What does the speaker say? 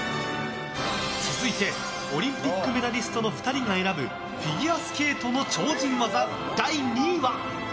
続いてオリンピックメダリストの２人が選ぶフィギュアスケートの超人技第２位は。